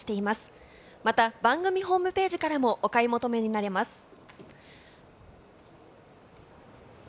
また番組ホームページからもお買い求めになれます。